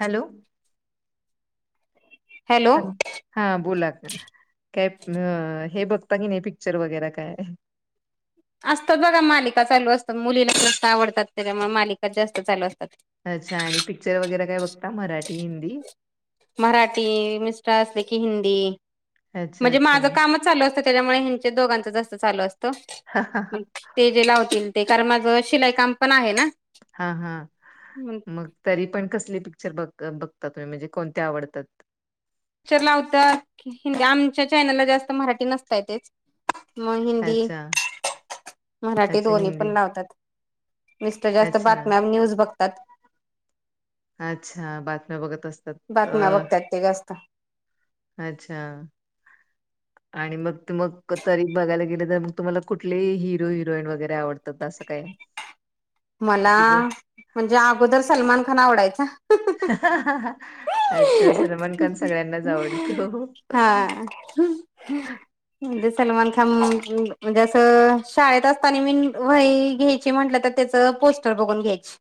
Hello.. hello ॅ हा बोला काय हे बघता की नाही पिक्चर वगैरे काय आहे. असतात बघा मालिका चालू असतात मुलीला जास्त आवडतात त्याच्यामुळे मालिका जास्त चालू असतात. अच्छा आणि पिक्चर वगैरे काय बघता मराठी हिंदी. मराठी मिस्टर असले की हिंदी अच्छा म्हणजे अच्छा. माझ काम चालू असत त्याच्यामुळे हि दोघांच जास्त चालू असत. ते जे लावतील ते कार माझं शिलाई काम पण आहे ना. हा हा पिक्चर मग तरी पण कसली पिक्चर बघ बघता तुम्ही म्हणजे कोणते आवडतात. पिक्चर लावत हिंदी आमच्या चॅनलला जास्त मराठी नसताय तेच. मग हिंदी अच्छा मराठी अच्छा दोन्ही हिंदी पण लावतात. मिस्टर जास्त अच्छा बातम्या न्यूज बघतात. अच्छा बातम्या बघत असत. बातम्या बघतात ते जास्त. अच्छा. आणि मग मग तरी बघायला गेले तर मग तुम्हाला कुठलेही हिरो हिरोईन वगैरे आवडतात असं काय. [inaudible] मला म्हणजे अगोदर सलमान खान आवडायचा अच्छा सलमान खान सगळ्यांनाच आवडतो. हा ह. [inaudible] हिंदी सलमान खान म्हणजे असं अ शाळेत असताना मी वही घ्याय ते म्हटंतर त्याचं पोस्टर बघून घ्यायचं.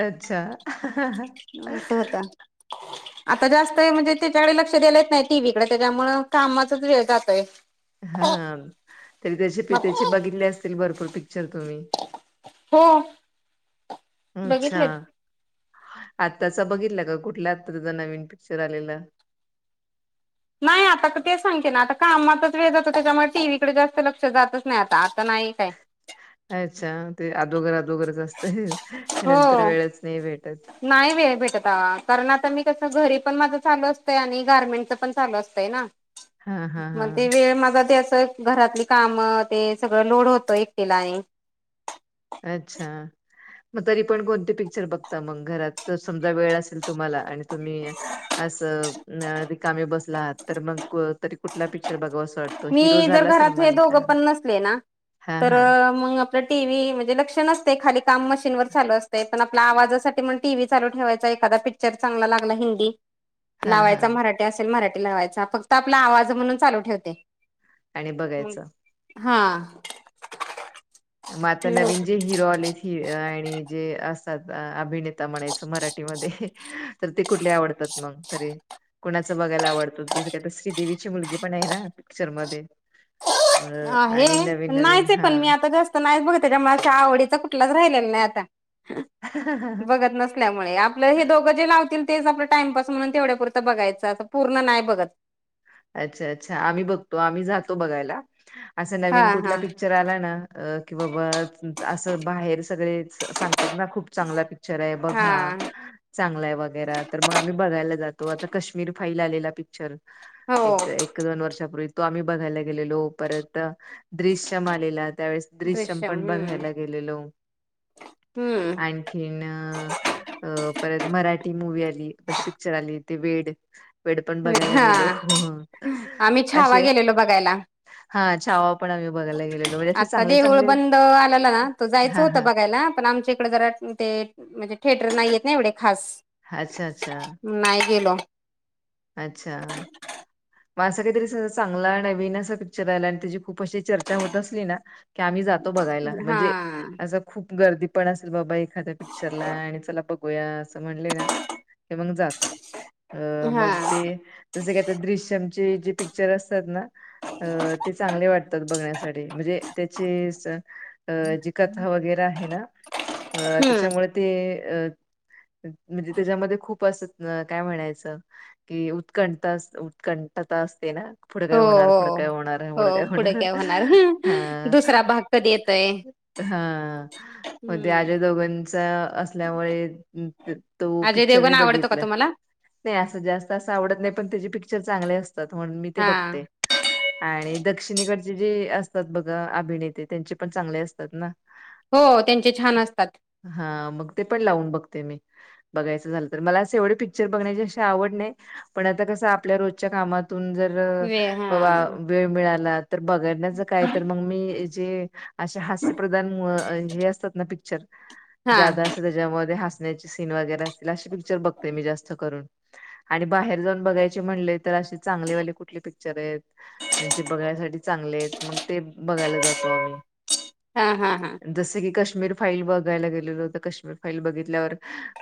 अच्छा ह हं. असं होतं. आता जास्त म्हणजे त्याच्याकडे लक्ष द्यायला येत नाही ना टीव्हीकडे त्याच्यामुळं कामातच वेळ जातोय. हा तरी त्याचे प मग त्याचे बघितले असतील भरपूर पिक्च र तुम्ही हो अच्छा. बघितलेत. आत्ताचा बघितला का कुठल्या अँक्टरचा नवीन पिक्चर आलेला. नाही आता तेच सांगतो ना आता कामातच वेळ जातो त्यांच्यामुळे टीव्हीकडे जास्त लक्ष जातच नाही आता आता नाही. काय. अ अच्छा ते अदोघर अदोघरच असतय नंतर हो. वेळच नाही भेटत. नाही वे भेटत कारण आता मी कस घरी पण माझं चालू असतंय आणि गारमेंटचं पण चालू असतंय ना. हां, हां, मग ते हां. वेळ माझा त्याचा. घरातली कामं ते सगळं लोड होतं एकटीला आणि. अच्छा. मग तरी पण कोणते पिक्चर बघता मग घरात जर समजा वेळ असेल तुम्हाला आणि तुम्ही. असं न रिकामे बसलात तर मग को तरी कुठला पिक्चर बघावस. मी जर घरात हे दोघं पण नसले ना हा तर हा मग. टीव्ही म्हणजे लक्ष नसतय खाली काम मशीन वर चालू असतयं पण आपल्या आवाजासाठी टीव्ही चालू ठेवायचं एखादा पिक्चर. पिक्चर चांगला लागला हिंदी. हा हा लावायचा मराठी असेल मराठी लावायचा फक्त आपला आवाज म्हणून चालू ठेवते. आणि मग बघायचं हा. म आता नवीन जे हिरो आलेत. ही आणि जे असतात अभिनेता म्हणायचं मराठीमध्ये तर ते कुठले आवडतात मग. तरी कुणाचं बघायला आवडतं तुझं का आता श्रीदेवीची मुलगी पण आहे ना पिक्चरमध्ये. अ आहे आणि नवीन नवीन नाहीच हा पण मी आता जास्त नाहीच बघ त्याच्यामुळं आवडीचा कुठलाच राहिलेला नाही आता. बघत नसतं. नसल्यामुळे आपलं हे दोघं जे लावतील तेच आपलं टाईमपास म्हणून तेवढ्यापुरतं बघायचं आता पूर्ण नाही बघत. अच्छा अच्छा आम्ही बघतो आम्ही जातो बघायला असा हा नवीन कुठला हा पिक्चर. पिक्चर आला ना अ कि बा बा असं बाहेर सगळे स सांगतात ना खूप. खूप चांगला पिक्चर आहे हा बघा. चांगला आहे वगैरे तर मग आम्ही बघायला जातो आता कश्मीर फाईल आलेला पिक्चर. हो एक एक दोन वर्षापूर्वी तो आम्ही बघायला गेलेलो परत द्रृश्यम आलेला त्यावेळेस. दृश्यम पण बघायला गेलेलो हम्म आणखी. न परत मराठी मूवी आली म्हणजे पिक्चर आली ते वेड. वेड पण बघायला हा गेलो. आम्ही छावा असे गेलेलो बघायला. हा छावा पण आम्ही बघायला गेलेलो म्हणजे असे आता चांगले देऊळ चांगले बंद आलेला तो जायचं हा होत हा बघायला पण आमचं. तिकडे जरा ते म्हणजे थिएटर नाहीयेत ना एवढे खास. अच्छा अच्छा. नाही गेलो. अच्छा. मग असं काहीतरी चांगला नवीन असा पिक्चर आला आणि त्याची खूप अशी चर्चा होत असली ना. की आम्ही जातो बघायला हा म्हणजे असं खूप गर्दी पण असेल बाबा एक. एखाद्या पिक्चरला आणि चला बघूया असं म्हणले ना मग जातो. अ हा मग ते जस का ते द्रश्यमचे जे पिक्चर असतात ना. अ ते चांगले वाटतात बघण्यासाठी म्हणजे त्याचे. अ जि कथा वगैरे आहे अ हम्म त्याच्यामुळे. ते अ म्हणजे त्याच्यामध्ये खूप अस काय म्हणायचं. की उत्कंत उत्कंठता असते ना पुढं हो काय होणार पुडं काय होणार हो उडं काय हो पुढे होणार दुसरा हा भाग कधी येतोय हा मग ते हम्म अजय देवगणचा असल्यामुळे तो अजय पिक्चर देवगण मी आवडतो का बघितलं तुम्हाला नाही असं जास्त असं आवडत नाही पण त्याचे पिक्चर चांगले असतात म्हणून मी ते हा बघते आणि दक्षिणेकडचे जे असतात बघा अभिनेते त्यांचे पण चांगले असतात ना हो त्यांचे छान असतात हा मग ते पण लावून बघते मी बघायचं झालं तर मला असं एवढे पिक्चर बघण्याची अशी आवड नाही पण आता कसं आपल्या रोजच्या कामातून जर वे हा बाबा वेळ मिळालात तर बघडण्याचं काय तर मग मी जे असे हास्य प्र्रदान हे असतात ना पिक्चर हा ज्यादा असं त्यांच्यामध्ये हसण्याचे सीन वगैरे असतील अशे पिक्चर बघतोय मी जास्त करून आणि बाहेर जाऊन बघायचे म्हणले तर अशी चांगले वाले कुठले पिक्चर आहेत म्हणजे बघायसाठी चांगले आहेत मग ते बघायला जातो आम्ही. हा हा हा जसं की काश्मीर फाईल बघायला गेलेलो तर काश्मीर फाईल बघितल्यावर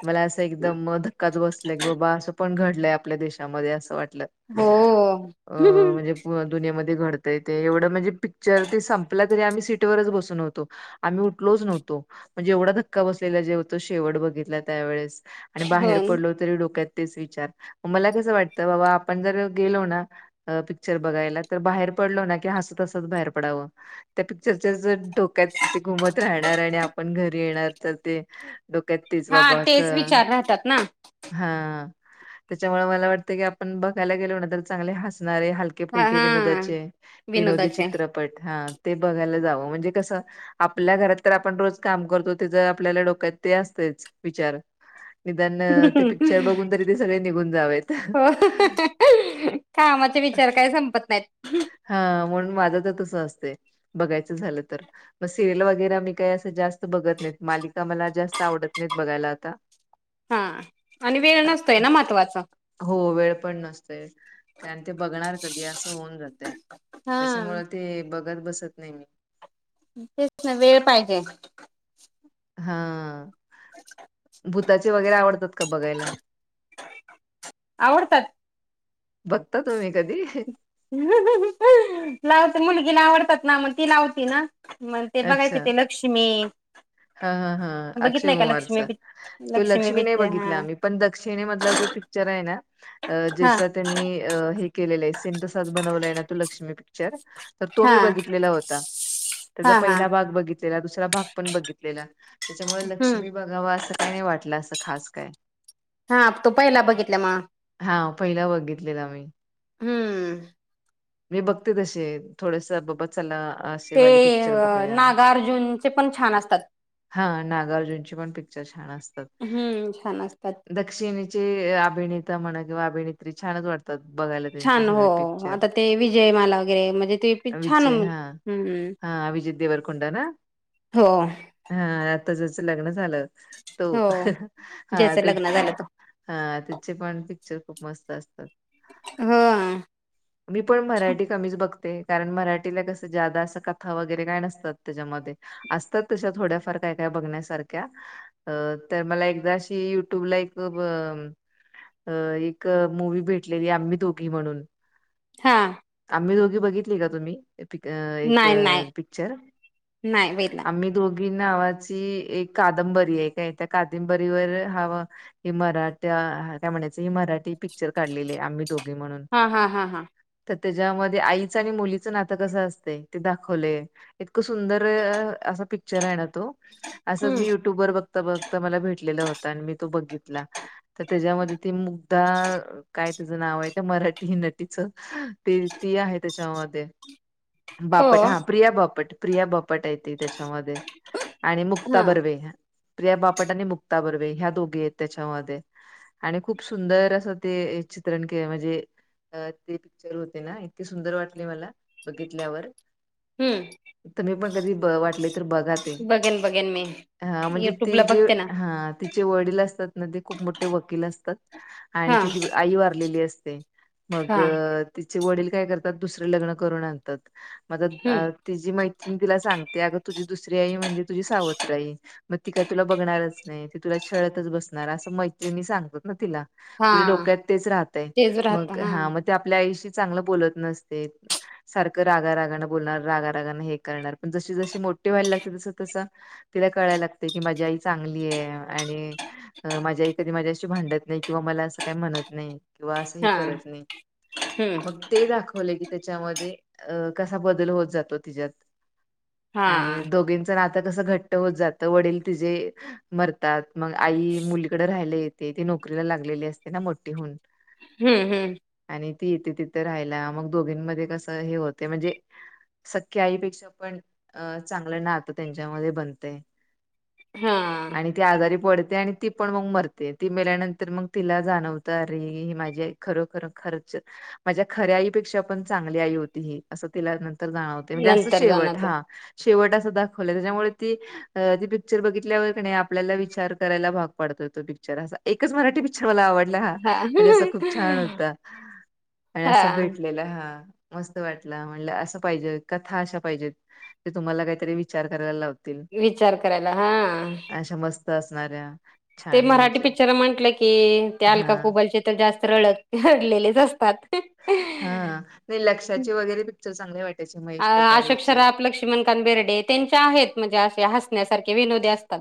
मला असं एकदम धक्काच बसलंय की बाबा असं पण घडलंय आपल्या देशामध्ये असं वाटलं हो अ म्हणजे दुनियामध्येध्ये घडतय ते एवढं म्हणजे पिक्चर ते संपला तरी आम्ही सीटवरच बसून होतो आम्ही उठलोच नव्हतो म्हणजे एवढा धक्का बसलेला जे होतं शेवट बघितला त्यावेळेस आणि हो बाहेर पडलो तरी डोक्यात तेच विचार मला कसं वाटतं बाबा आपण जर गेलो ना पिक्चर बघायला तर बाहेर पडलो ना की हसत हसत बाहेर पडावं त्या पिक्चरच्या डोक्यात ते घुमत राहणार आणि आपण घरी येणार तर ते डोक्यात तीच हा बाबा का तेच विचार राहतात ना हा त्याच्यामुळे मला वाटतं की आपण बघयला गेलो ना तर चांगले हसणारे हल के हा फुलके हा विनोदाचे विनोदी विनोदाचे चित्रपट हा ते बघायला जावं म्हणजे कसं आपल्या घरात तर आपण रोज काम करतो ते ज आपल्याला डोक्यात ते असतेच विचार निदान ते पिक्चर बघून तरी ते सगळे निघून जावेत हो कामाचे विचार काय संपत नाहीत. हा म्हणून माझं तर तस असतय बघायचं झालं तर मग सिरियल वगैरे मी काही असं जास्त बघत नाहीत मालिका मला जास्त आवडत नाहीत बघायला आता [inaudible] हा आणि वेळ नसतोय ना महत्त्वाचा हो वेळ पण नसतय कारण ते बघणार कधी असं होऊन जातय. हा त्याचमुळ ते बघत बसत नाही मी तेच ना वेळ पाहिजे हा [inaudible] भूताचे वगैरे आवडतात का बघायला आवडतात बघता तुम्ही कधी लावते मुलगीला आवडतात ना मग ती लावती ना मण ते बघायचं अच्छा ते लक्ष्मी हा हा हा अक्षय बघितलंय का लक्ष्मी कुमारचा पिक् तो लक्ष्मी नाही पिक्चर हा बघितला आम्ही पण दक्षिणी मधला जो पिक्चर आहे ना अ हा ज्याचा त्यांनी हे केलेलं आहे से तसाच बनवला आहे ना तो लक्ष्मी पिक्चर तर तो हा मी बघितलेला होता. त्याचा हा हा पहिला भाग बघित दुसरा भाग पण बघितलेला त्याच्यामुळे हम्म लक्ष्मी बघावा असं काही नाही वाटलं असं खास काय हा तू पहिला बघितलं म हा पहिला बघितलेला मी. हम्म. मी बघते तशे थोडस बाबत चला आत. ते नागार्जुनचे पण छान असतात. हा नागार्जुनचे पण पिक्चर छान असतात. हम्म छान असतात. दक्षिणेचे अभिनेता म्हणा किंवा अभिनेत्री छानच वाटतात बघायला. त्यांचे छान हो सगळे पिक्चर. आता ते विजयमाला घे म्हणजे ते छान! विजय हा हम्म. हा विजय देवरकोंडा ना. हो. हा तेजच लग्न झालं, तो, हो हा ज्याचं लग्न तेच झालं तो हा त्याचे पण पिक्चर खूप मस्त असतात. हां. [inaudible] मी पण मराठी कमीच बघते कारण मराठीला कसं जादा असं कथा वगैरे काय नसतात त्याच्यामध्ये. असतात तश्या थोड्याफार काय काय बघण्यासारख्या. अ तर मला एकदाशी युट्यूबला एक अ एक मुवी भेटलेली आम्ही दोघी म्हणून. हा. आम्ही दोघी बघितली का तुम्ही, एक नाही नाही पिक्चर, नाही बघितला आम्ही दोघी नावाची एक कादंबरी आहे काय त्या कादंबरीवर हवा ही मराठ काय म्हणायचं ही मराठी पिक्चर काढलेली आहे आम्ही दोघी म्हणून. हा हा हा हा. तर त्याच्यामध्ये आईचं आणि मुलीचं नातं कसं असतय ते दाखवलय. इतकं सुंदर असा पिक पिक्चर आहे ना तो, असंच हम्म मी युट्यूब वर बघता बघता मला भेटलेला होता आणि मी तो बघित ला, तर त्याच्यामध्ये ते मुक्ता काय तीज नाव आहे त्या मराठी नटी तीच ते ती आहे त्याच्यामध्ये. हो बापट हा प्रिया बापट प्रिया बापट आहे ती त्याच्यामध्ये, आणि मुक्ता हा बर्वे. प्रिया बापट आणि मुक्ता बर्वे ह्या दोघी आहेत त्याच्यामध्ये. आणि खूप सुंदर असं ते चित्रण केलं म्हणजे अ ते पिक्चर होते ना इतके सुंदर वाटले मला, बघितल्यावर. हम्म. तुम्ही पण कधी ब वाटले तर बघा. ते बघेन बघेन मी. हा म्हणजे ते युट्यूबला जे बघते ना हा तिचे वडील असतात ना ते खूप मोठे वकील असतात. आणि हा तिची आई वारलेली असते. मग हा तिचे वडील काय करतात दुसरे लग्न करून आणतात, म आता हम्म तिझी मैत्रीन तिला सांगते अगं तुझी दुसरी आई म्हणजे तुझी सावत्र आई. मग ती काय तुला बघणारच नाही, ती तुला छळतच बसणार असं मैत्रिणी सांगतात ना तिला. हा तिच्या डोक्यात तेच राहतय, तेच राहत मग हा ती आपल्या आईशी चांगलं बोलत नसते. सारखं रागा रागानं बोलणार रागा रागानं हे करणार पण जशी जशी मोठी व्हायला लागते तसं तसं तिला कळाय लागते की माझी आई चांगली आहे आणि अ माझ्या आई कधी माझ्याशी भांडत नाही किंवा मला असं काही म्हणत नाही. किंवा असंही हा करत नाही, हम्म मग ते दाखवलय की त्याच्यामध्ये. अ कसा बदल होत जातो तिज्यात, हा आणि दोघीच नाता कसं घट्ट होत जातं वडीलल तिजे मरतात मग आई मुलीकडे राहियला येते ती नोकरीला लागलेली असते ना मोठीहून. हम्म हम्म. आणि ती इथे तिथे राहियला मग दोघींमध्येध्ये कसं हे होते म्हणजे सख्या आईपेक्षा पण अ चांगलं नात त्यांच्यामध्ये बनतेय हा आणि ती आजारी पडते आणि ती पण मग मरते ती मेल्यानंतर मग तिला जाणवतं अरे हे माझी खरो खर खरच माझ्या खऱ्या आईपेक्षा पण चांगली आई होती ही असं तिला नंतर जाणवत म्हणजे असं नंतर जाणार शेवट ते हा शेवट दाखवले त्याच्यामुळे ती ती पिक्चर बघितल्यावर नाही आपल्याला विचार करायला भाग पाडतोय तो पिक्चर असा एकच मराठी पिक्चर मला आवडतं ह हा म्हणजे अस खूप छान होत आणि असं हा भेटलेलं हा मस्त वाटला म्हण असं पाहिजे कथा अशा पाहिजेत ते तुम्हाला काहीतरी विचार करायला लावत विचार करायला हा अशा मस्त असणाऱ्या ते छान मराठी म्हणजे पिक्चर म्हंटलं की ते हा अलका कोुबलचे जास्त रडत रडलेलेच असतात हा नि लक्ष्याचे वगैरे पिक्चर चांगले वाटायचे अ महेश अशोक कोठारे सराफ लक्ष्मीकांत बेर्डे त्यांच्या आहेत म्हणजे हसण्यासारखे विनोदी आहेत